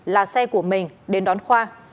là xe của mình đến đón khoa